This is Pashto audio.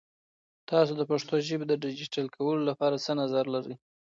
تاسو د پښتو ژبې د ډیجیټل کولو لپاره څه نظر لرئ؟